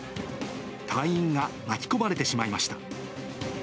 隊員が巻き込まれてしまいました。